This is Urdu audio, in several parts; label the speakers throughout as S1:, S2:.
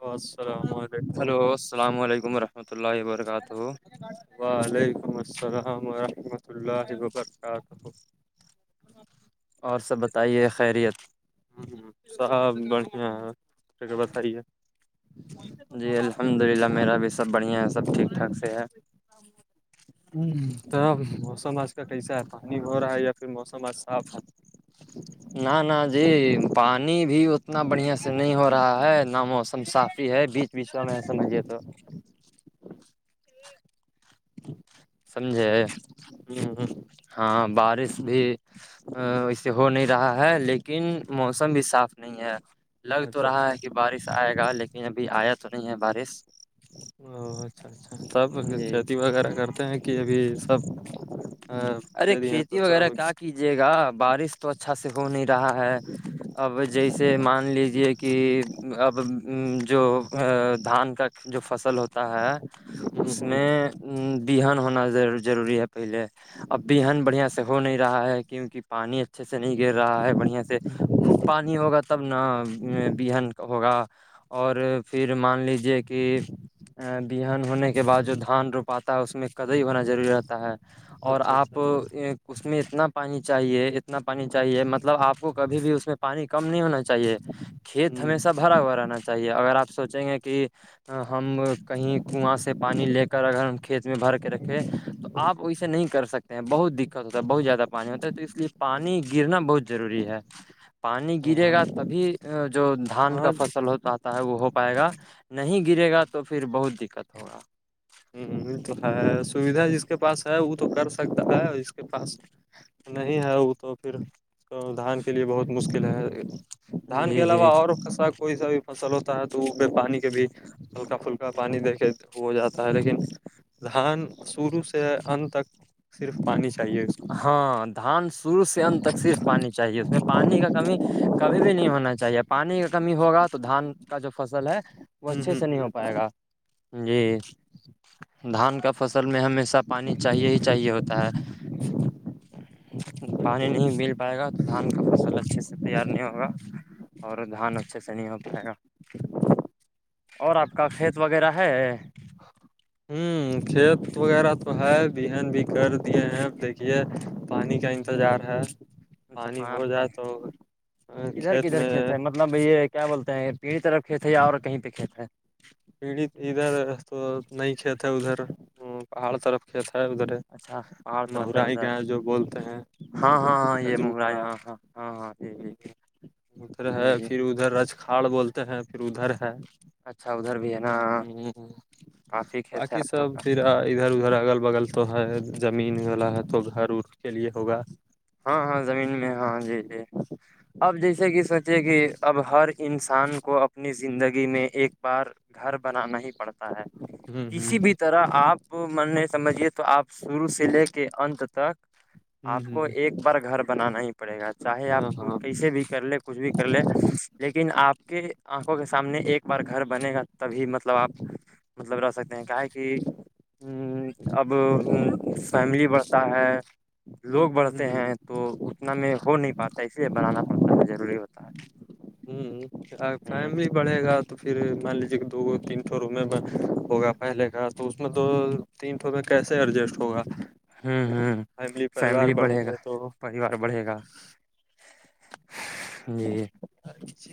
S1: السلام علیکم
S2: ہلو السلام علیکم ورحمۃ اللہ وبرکاتہ
S1: وعلیکم السلام ورحمۃ اللہ وبرکاتہ ہاں
S2: اور سب بتائیے خیریت
S1: ہ ہ سب بڑھیا ہے بتائیے
S2: الحد للہ میرا بھی سب بڑیا ہے سب ٹھیکٹاک سے ہے
S1: ہ ت موسم آج کا کیسا ہے پانی ہو رہا ہے یا پھر موسم آج صاف ہے
S2: نہ نہ جی پانی بھی اتنا بڑھیا سے نہیں ہو رہا ہے ناموسم تم صافی ہے بیچ بیچ میں میں سمجھیے تو سمجھے
S1: ہم، ہم،
S2: ہاں بارش بھی ا اسے ہو نہیں رہا ہے لیکن موسم بھی صاف نہیں ہے لگ تو
S1: اچھا
S2: رہا
S1: اچھا
S2: ہے کہ بارش آئے گا لیکن ابھی آیا تو نہیں ہے بارش
S1: ا اچھا اچھا تب
S2: جی
S1: کھیتی وغیرہ کر ہیں کہ ابھی سب
S2: ارے
S1: دے دیے ہیں
S2: کھیتی
S1: دوسرا
S2: وغیرہ کیا
S1: کچھ
S2: کیجیے گا بارش تو اچھا سے ہو نہیں رہا ہے اب جیسے مان لیجیے کہ اب ا جو دھان کا جو فصل ہوتا ہے اس میں بہان ہونا ضروری ضروری ہے پہلے اب بھی ان بڑھیا سے ہو نہیں رہا ہے کیونکہ پانی اچھے سے نہیں گر رہا ہے بڑھیا سے خوب پانی ہوگا تب نہ بہن کا ہوگا اور پھر مان لیجیے کہ ا بہن ہونے کے بعد جو دھان روپاتا ہے اس میں کدئی ہونا ضروری ہوتا ہے اور
S1: اچھا اچھا
S2: آپ اس میں اتنا پانی چاہیے اتنا پانی چاہیے مطلب آپ کو کبھی بھی اس میں پانی کم نہیں ہونا چاہیے کھیت ہمیشہ
S1: ہاں
S2: بھرا ہوا رہنا چاہیے اگر آپ سوچیں گے کہ ہم کہیں کنواں سے پانی لے کر اگر ہم کھیت میں بھر کے رکھیں تو آپ ویے نہیں کر سکتے ہیں بہت دقت ہوتا ہے بہت زیادہ پانی ہوتا ہے تو اس لیے پانی گرنا بہت ضروری ہے پانی گرے
S1: ہاں
S2: گا تبھی جو دھان کا
S1: ہاں
S2: فصل ہوتا تھا ہے وہ ہو پائے گا نہیں گرے گا تو پھر بہت دقت ہوگا
S1: ہ تو ہے سویدھا جس کے پاس ہے وہ تو کر سکتا ہے ج کے پاس نہیں ہے وہ تو پھر اس کو دھان کے لیے بہت مشکل ہے دھان
S2: جی
S1: کے علاوہ
S2: جی
S1: اورا کوئی سا بھی فصل ہوتا ہے تو وہ پانی کے بھی ہلکا پھلکا پانی دیکھے ہو جاتا ہے لیکن دھان شروع سے اننت تک صرف پانی چاہیے اس
S2: ہاں دھان شروع سے انت تک صرف پانی چاہیے اس میں پانی کا کمی کبھی بھی نہیں ہونا چاہیے پانی کا کمی ہوگا تو دھان کا جو فصل ہے وہ
S1: ہ
S2: اچھے
S1: ہ
S2: سے نہیں
S1: ہ
S2: ہو پائے گا جی دھان کا فصل میں ہمیشہ پانی چاہیے ہی چاہیے ہوتا ہے
S1: ج [inaudible]
S2: پانی نہیں مل پائے گا تو دھان کا فصل اچھے سے تیار نہیں ہوگا اور دھان اچھے سے نہیں ہو پائے گا اور آپ کا کھیت وغیرہ ہے
S1: ہوں کھیت وغیرہ تو ہے بہن بھی کر دیے ہیں دیکھیے پانی کا ان تظار ہے
S2: اچھا
S1: پانی ہو
S2: آپ
S1: جائے تو
S2: کدھر
S1: کھیت
S2: کدھر
S1: میں
S2: ہے مطلب بھ یہ کیا بول ہیں یہ پیڑھی طرف کھیت ہے یا اور کہیں پہ کھیت ہے
S1: پیڑت ادھر تو نہیں کھیت ہے ادھر پہاڑ طرف کھیت ہے ادھر
S2: اچھا پہاڑ طرف ہے
S1: مہرائی
S2: ادھر
S1: کا جو بولتے ہیں
S2: ہاں ہاں ہاں یہ
S1: کجرو
S2: مرا ہے
S1: کلا
S2: ہاں ہاں ہاں ہاں یہ
S1: ادھر ہے پھر ادھر رج کاڑ بولتے ہیں پھر ادھر ہے
S2: اچھا ادھر بھی ہے نا
S1: ہ
S2: کافی کھیت ہے
S1: باقی
S2: آپ لوگ
S1: سب
S2: کا
S1: پھر ادھر ادھر اگل بگل تو ہے زمین والا ہے تو گھر اھر کے لیے ہوگا
S2: ہاں ہاں زمین میں ہاں جی جی اب جیسے کہ سوچے کہ اب ہر انسان کو اپنی زندگی میں ایک بار گھر بنانا ہی پڑتا ہے
S1: ہوں ہوں
S2: کسی بھی طرح آپ آ من نے سمجھیے تو آپ شروع سے لے کے انت تک
S1: ہوں
S2: آپ
S1: ہوں
S2: کو
S1: ہ
S2: ایک بار گھر بنانا ہی پڑے گا چاہے
S1: ہاں
S2: آپ کو
S1: ہاں
S2: کیسے بھی کر لے کچھ بھی کر لے لیکن آپ کے آنکھوں کے سامنے ایک بار گھر بنے گا تبھی مطلب آپ مطلب رہ سکتے ہیں کیا ہے کہ ہ اب فیملی بڑھتا ہے لوگ بڑھتے
S1: ہوں
S2: ہیں تو اتنا میں ہو نہیں پاتا ہے اس لیے بنانا پڑتا ہے ضروری ہوتا ہے
S1: ہوں فملی بڑے گا تو پھر مان لیجیے کہ دو تین سو رومے میں ہوگا پہلے کا تو اس میں دو تینٹوں میں کیسے ایڈجسٹ ہوگا
S2: ہ ہ ہ
S1: فیملی پریوار بڑھیں گے تو
S2: پار بڑھے گا جی
S1: اچ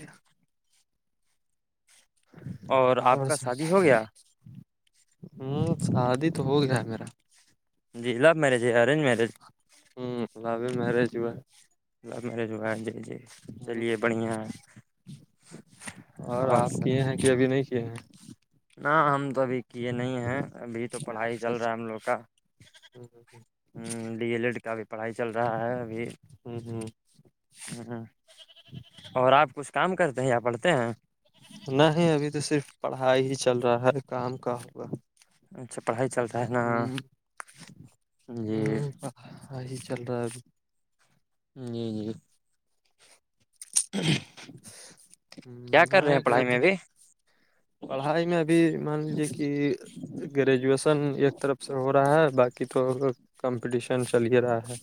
S2: آپ
S1: اور
S2: کا
S1: س
S2: شادی ہو گیا
S1: ہ شادی تو ہو گیا ہے میرا
S2: جی لو میرج ہے ارینج میرج
S1: ہوں وہ بھی میرج ہوا
S2: لو میرج ہوا ہے جی جی
S1: ہ
S2: چلیے بڑھیا
S1: اور آپ کے یہ کیا ب نہیں کیے ہیں
S2: نہ ہم تو ابھی کیے نہیں ہیں ابھی تو پڑھائی چل رہا ہے ہم لوگ کا
S1: ہوں ہ ہ
S2: ہ ڈی ایل ایڈ کا بھی پڑھائی چل رہا ہے ابھی
S1: ہوں ہوں
S2: ہ ہ اور آپ کچھ کام کرتے ہیں یا پڑھتے ہیں
S1: نہ ہی ابھی تو صرف پڑھائی ہی چل رہا ہے کام کا ہوگا
S2: اچھا پڑھائی چل رہا ہے نا
S1: ہ
S2: جی
S1: ہی چل رہا ہے ابھی
S2: جی جی کیا
S1: ابھی
S2: کر رہے
S1: ہاں
S2: ہیں پڑھائی میں ابھی
S1: پڑھائی میں ابھی مان لیجیے کہ گریجویشن ایک طرف سے ہو رہا ہے باقی تو کمپٹیشن چل ہی رہا ہے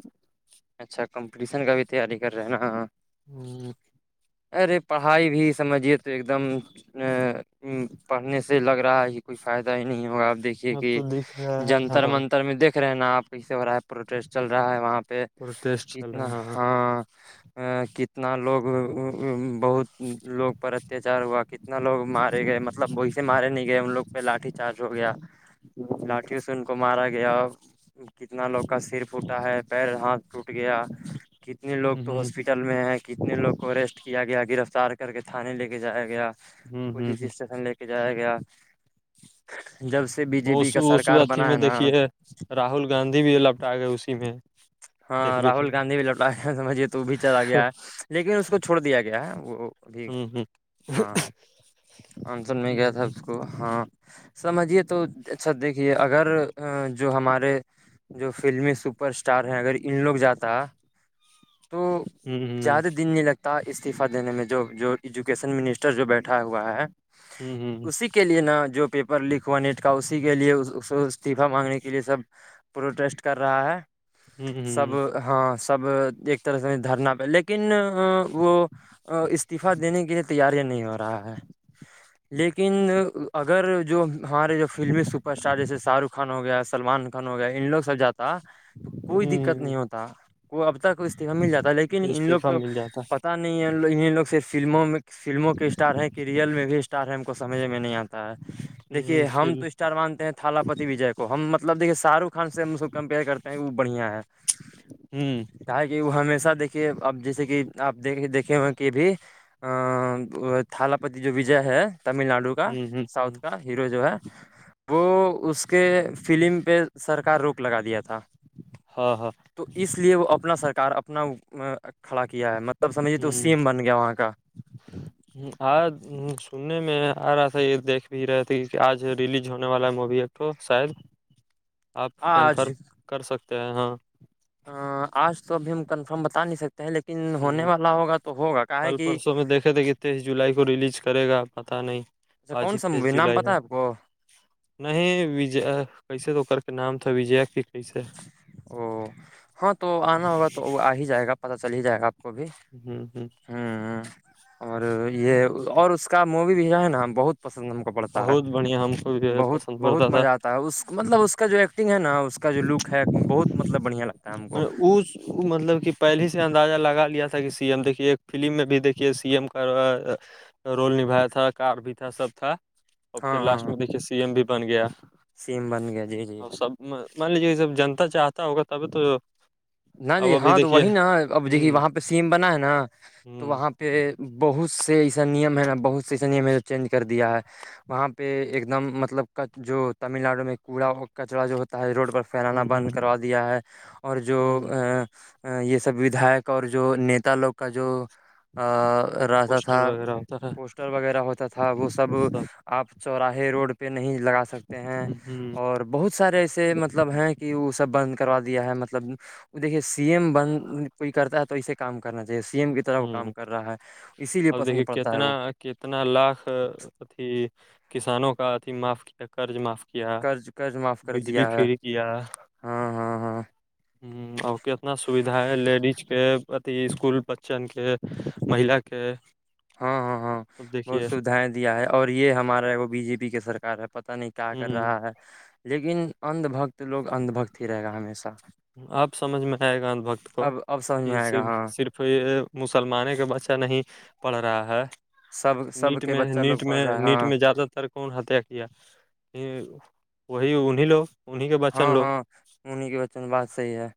S2: اچھا کمپٹیشن کا بھی تیاری کر رہے ہیں نا
S1: ہوں
S2: ارے پڑھائی بھی سمجھیے تو ایک دم ا پڑھنے سے لگ رہا ہے ہی کوئی فائدہ ہی نہیں ہوگا اپ دیکھی
S1: اب
S2: کہ
S1: تو دکھ رہا ہے ہاں
S2: جنتر منتر میں دیک رہے ہیں نا آپ کیسے ہو رہا ہے پروٹیسٹ چل رہا ہے وہاں پہ
S1: پروٹیسٹ چل رہا
S2: کتنا
S1: ہے
S2: ہاں کتنا لوگ بہت لوگ پر اتیاچار ہوا کتنا لوگ مارے گئے مطلب وہی سے مارے نہیں گئے ہم لوگ لاٹھی چارج ہو گیا
S1: ہ ہ [unintelligible]
S2: سن کو مارا گیا کتنا لوگ کا سر پوٹا ہے پیر ہاتھ ٹوٹ گیا کتنے لوگ تو
S1: ہ
S2: ہاسپیٹل میں ہیں کتنے لوگ کو ریسٹ کیا گیا گرفتار کر کے تھانے لے کے جایا گیا
S1: ہ ہ
S2: پولیس
S1: ہ
S2: اسٹیشن لے کے جایا گیا جب سے بی جے
S1: اس
S2: پی کا
S1: اس
S2: سرکار
S1: اھی
S2: بنا
S1: میں
S2: ہے نا
S1: دیکھیے راہل گاندھی بھی ال لپ ٹا گئے اسی میں
S2: ہاں
S1: تقبے
S2: راہل
S1: کی
S2: گاندھی بھی لوٹا سمجھیے تو بھی چلا آ گیا ہے لیکن اس کو چھوڑ دیا گیا ہے وہ بھی
S1: ہ [inaudible]
S2: آنسر میں گیا تھا اس کو ہاں سمجھیے تو اچھا دیکھیے اگر جو ہمارے جو فلمی س اسٹار ہیں اگر ان لوگ جاتا تو زیادہ دن نہیں لگتا استعفہ دینے میں جو جو ایجوکیشن منسٹر جو بیٹھا ہوا ہے اسی کے لیے نا جو پیپر لیک ہوا نیٹ کاا اسی کے لیے اس استعفہ مانگنے کے لیے سب پرو ٹیسٹ کر رہا ہے سب ہاں سب ایک طرح سے دھرنا پہ لیکن وہ استعفا دینے کے لیے تیاریاں نہیں ہو رہا ہے لیکن یکن اگر جو ہمارے جو فلمی سپرسٹار جیسے شاہ رخ خان ہو گیا سلمان ہو گیا ان لوگ سب جاتا تو کوئی دقت نہیں ہوتا کوئی اب تک اس مل جاتا ہے لیکن ان لوگ
S1: استعفی
S2: کو
S1: مل جاتا
S2: پتا نہیں ہے ان لوگ سے فلموں میں فلموں کے اسٹار ہے کہ ریئل میں بھی اسٹار ہے ہم کو سمجھ میں نہیں آتا ہے دیکھیے
S1: ہ
S2: ہم
S1: پھر
S2: تو اسٹار مانتے ہیں تھالا پتی وجے کو ہم مطلب دھیے شاہ رخ خان سے کو کمپیئر کرتے وہ بڑھیا ہے
S1: ہوں
S2: کیا کہ وہ ہمیشہ دیکھیے اب جیسے کہ آپ د دیکھے ہوا کہ بھی تھال پتی جو وجے ہے تمل ناڈو کا
S1: ہ ہ
S2: ساؤتھ کا ہیرو جو ہے وہ اس کے فلم پہ سرکار روک لگا دیا تھا
S1: ہاں ہاں
S2: تو اس لیے وہ اپنا سرک کار اپنا کھڑا کیا ہے مطلب سمجھیے تو
S1: ہ
S2: سیم بن گیا وہاں کا
S1: آج سننے میں آ رہ ایسا یہ دیکھ بھی رہتی کہ آج ریلیز ہونے والا مووی تو شاید
S2: [inaudible]
S1: آپ
S2: آج
S1: کنفرم کر سکتے ہیں ہاں
S2: ا آج تو ابھی ہم کنفرم بتا نہیں سکتے ہیں لیکن ہونے
S1: ہ
S2: والا ہوگا تو ہوگا کا ہے
S1: کل
S2: کہ
S1: پرسوں میں تھے دیکھے کہ تیئیس جولائی کو ریلیز کرے گا پت نہیں
S2: اچھا
S1: آج
S2: کون
S1: ہی
S2: سا
S1: تیئیس
S2: مووی نام
S1: جولائی
S2: پتہ
S1: ہے
S2: آپ کو
S1: نہیںج کیسے تو کر کے نام تھا وجے کی کیسے
S2: او ہاں تو آنا ہوگا تو وہ آ ہی جائے گا پتا چل ہی جائے گا آپ کو بھی
S1: ہوں ہوں
S2: اور یہ اور اس کا مووی بھی جو ہے نا بہت پسند ہم پڑتا ہے
S1: بہت بڑھیا ہم کو بھی
S2: بہت
S1: پسند پڑتا
S2: بہت
S1: تھا
S2: مزہ آتا ہے اس مطلب اس کا جو ایکٹنگ ہے نا اس کا کا جو لک ہے بہت مطلب بڑھیا لگتا ہے ہم کو
S1: وہ مطلب کہ پہلے سے اندازہ لگا لیا تھا کہ سی ایم دیکھیے ایک فلم میں بھی دیکے سی ایم کا رول نبھایا تھا کار بھی تھا سب تھا اور پھر لاسٹ میں دیکھیے سی ایم بھی بن گیا
S2: سی ام بن گیا جی جی
S1: اور سب مان لیجیے جب جنتا چاہتا ہوگا تبھی تو
S2: نہ
S1: اب
S2: جی
S1: ابھی
S2: ہاں تو
S1: دیکھیے
S2: وہی نا اب دیکھیے
S1: ہ
S2: وہاں پہ سی ایم بنا ہے نا تو
S1: ہ
S2: وہاں پہ بہت سے ایسا نیم ہے نا بہت سے ایسا نیم ہے جو چینج کر دیا ہے وہاں پہ ایک دم مطلب جو تمل ناڈو میں کوڑا کچڑا جو ہوتا ہے روڈ پر پھیلانا
S1: ہ
S2: بند کروا دیا ہے اور جو
S1: ہ
S2: یہ سب وداک اور جو نیتا لوگ کا جو رہتا
S1: پوسٹر
S2: تھا
S1: وغیرہ ہوتا ہے
S2: پوسٹر وغیرہ ہوتا تھا وہ سب آپ چوراہے روڈ پہ نہیں لگا سکتے ہیں
S1: ہ
S2: اور بہت بہت سارے ایسے مطلب ہیں کہ وہ سب بند کروا دیا ہے مطلب وہ دیکے سی ایم بن کوئی کرتا ہے تو اسے کام کرنا چاہیے سی ایم وہ
S1: ہ
S2: کام کر رہا ہے اسی لیے
S1: اب دیکھیے
S2: پسند پڑتا ہے
S1: کتنا
S2: وہ
S1: کتنا لاکھ کسانوں کا اتھی معاف کیا قرض معاف کیا
S2: قرض قرض معاف کر
S1: بجلی
S2: دیا ہے
S1: فری کیا
S2: ہاں ہاں ہاں
S1: اور کتنا سویدھا ہے لیڈیز کے اتی اسکول بچن کے مہلا کے
S2: ہاں ہاں ہاں بہت سویدھائیں دیا ہے اور یہ ہمارا بی جے پی کے سرار ہے پتا نہیں کیا کر رہا ہے لیکن انھ بھکت لوگ اندھ بھکت ہی رہے گا ہمیشہ
S1: آپ سمجھ میں آئے گا بھکت کو
S2: اب اب سمجھ
S1: کہ
S2: میں آئے گا
S1: صرف
S2: ہاں
S1: صرف تو یہ مسلمان کا بچہ نہیں پڑھ رہا ہے
S2: سب سب
S1: نیٹ
S2: کے
S1: میں
S2: بچہ لوگ
S1: نیٹ میں
S2: پڑھ رہا ہے
S1: نیٹ
S2: ہاں
S1: میں زیادہ تر کون ہتیا کیا وہی انہیں لوگ انیں کے بچن
S2: ہاں
S1: لوگ
S2: ہاں انہیں کے بچپن بات صحیح ہے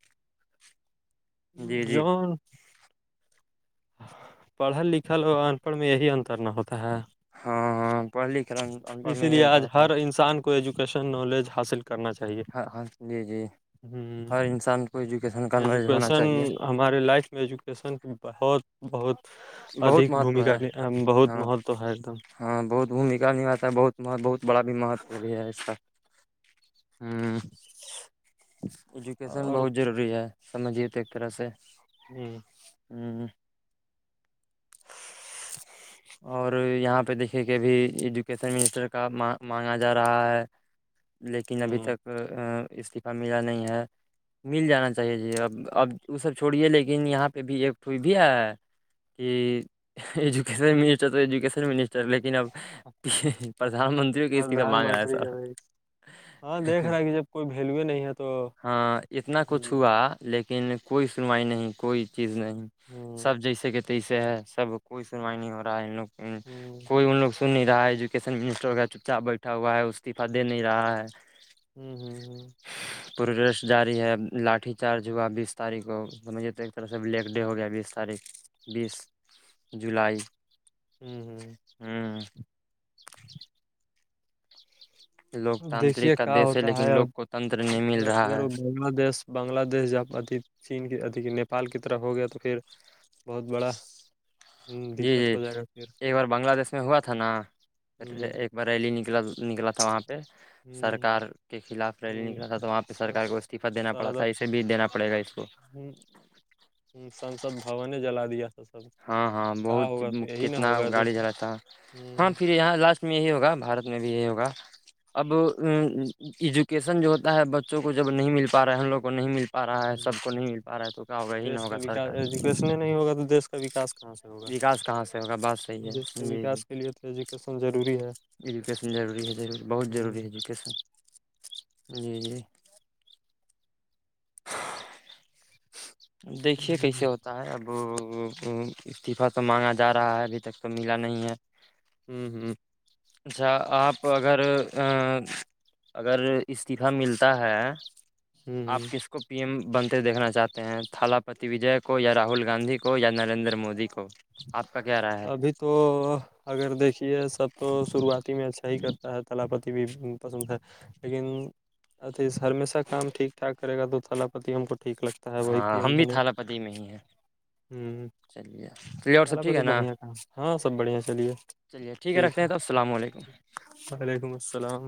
S2: جی جی
S1: جو پڑھل لکھے اور ان پڑھ میں یہی انتر نہ ہوتا ہے
S2: ہاں ہاں پڑلی کرن انڑ
S1: اسی لیے
S2: میںتا
S1: آج
S2: ہے
S1: ہر انسان ایجوکیشن نالج حاصل کر کرنا چاہیے
S2: ہاں ہاں جی جی ہر انسان کو ایجوکیشن کا نالج ہونا
S1: ایجوکیشن
S2: چاہیے
S1: ہمارے لائف میں ایجوکیشن کی بہت بہت ادھ
S2: بہت مہتو
S1: بھومکا
S2: ہے
S1: بہت
S2: ہاں
S1: مہتو ہے ایک دم
S2: ہاں بہت بھومکا نباتا ہے بہت مہ بہت بڑا بھی مہتو بھی ہے اس کا ایجوکیشن
S1: اور
S2: بہت ضروری ہے سمجھیے تو ایک طرح سے
S1: ہوں
S2: ہوں
S1: [inaudible]
S2: اور یہاں پہ دیکھے کہ ابھی ایجوکیشن منسٹر کا مانگا جا رہا ہے لیکن ابھی
S1: ہ
S2: تک استعفی ملا نہیں ہے مل جانا چاہیے جی اب اب وہ سب چھوڑیے لیکن یہاں پہ بھی ایکٹئی بھی ہے کہ ایجوکیشن منسٹر تو ایجوکیشن منسٹر لیکن اب پردھان منتری کی اس کی کا
S1: پردھان
S2: مانگ رہا ہے
S1: منتری کا
S2: سر
S1: بھی ہاں دیکھ رہا ہے کہ جب کوئی ویلوے نہیں ہے تو
S2: ہاں اتنا
S1: ہ
S2: کچھ
S1: ہ
S2: ہوا لیکن کوئی سنوائی نہیں کوئی چیز نہیں
S1: ہوں
S2: سب جیسے کہ تیسے ہے سب کوئی سنوائی نہیں ہو رہا ہے ان لوگ
S1: ہ
S2: کوئی ان لوگ سن نہیں رہا ہے ایجوکیشن منسٹر کا چپ چپٹھا ہوا ہے استعفہ دے نہیں رہا ہے
S1: ہوں ہوں ہ
S2: [inaudible] پو ریسٹ جاری ہے لاٹھی چارج ہوا بیس تاریخ کو سمجھیے تو ایک طرح سے بلیک ڈے ہو گیا بیس تاریخ بیس جولائی
S1: ہوں ہوں
S2: ہوں
S1: ا دیکھیے
S2: لوکتانترک کا
S1: کیا
S2: دیش
S1: ہوتا ہے
S2: لیکن
S1: اب
S2: لوگ کو تنتر نہیں مل
S1: اگر
S2: رہا ہے
S1: وہ بنگلہ دیش بنگلہ دیش جب ادھی چین کی ادھی نیپال کی طرف ہو گیا تو پھر بہت بڑا
S2: جی
S1: دقت
S2: جی
S1: ہو جائے گا پھر
S2: ایک بار بنگلہ دیش میں ہوا تھا نا
S1: ہ
S2: ایک بریلی نکلا نکلا تھا وہاں پہ
S1: ہ
S2: سرکار کے خلاف ریلی نکلا تھا تو وہاں پہ
S1: ہ
S2: سرکار کو استعفہ دینا پڑا تھا اسسے بھی دینا پڑے گا اس کو
S1: ہی [inaudible] سنسد بھنے جلا دیا تھا سب
S2: ہاں ہاں
S1: کیا
S2: بہت
S1: ہوگا تو یہی نہ
S2: کتنا
S1: ہوگا جب
S2: گاڑی جھڑا ہاں پھر یہاں لاسٹ میں یہی ہوگا بارت میں بھی یہی ہوگا اب ایجوکیشن جو ہوتا ہے بچوں کو جب نہیں مل پا رہا ہے ہم لوگوں کو نہیں مل پا رہا ہے سب کو نہیں مل پا رہا ہے تو کہ وہی نہ
S1: دیش کا
S2: ہوگا
S1: وکاس
S2: سرکاری
S1: ایجوکیشن نہیں ہوگا تو دیس کا وکاس کہاں سے ہوگا
S2: وکاس کہاں سے ہوگا بات صحیح
S1: دی کا
S2: ہے جی جی
S1: وکاس کے لیے تو پیسن ضروری ہے
S2: ایجوکیشن ضروری ہے ضرور بہت
S1: ہ
S2: ضروری ہے ایجوکیشن جی جی دیکھیے کیسے ہوتا ہے اب وہ استعفہ تو مانگا جا رہا ہے ابھی تک تو ملا نہیں ہے
S1: ہوں ہوں
S2: اچھا آپ اگر اگر استعفی ملتا ہے تو آپ
S1: ہ
S2: کس کو پی ایم بنتے دیکھنا چاہتے ہیں تھال پتی وجے کو یا راہل گاندھی کو یا نریندر مودی کو آپ کا کیا رہا ہے
S1: ابھی تو اگر دیکھیے سب تو شروعات ہی میں اچھا ہی کرتا ہے تلا پتی بھی پسند تھا لیکن اچھا ہمیش کا ٹھیک ٹھاک کرے گ تو تھولا پتی ہم کو ٹیک لگ ہے ت وہ
S2: ہاں
S1: پم
S2: ہم بھی
S1: دان
S2: تھالا پتی میں ہی ہیں
S1: ہوں
S2: چلیے چلیے اور
S1: چل
S2: سب ٹھیک
S1: پتی
S2: ہے نا
S1: بڑھیا کام ہاں سب بڑھیا چلیے
S2: چلیے ٹھیک ہے رکھتے توسلام علیکم
S1: وعلیکم السلام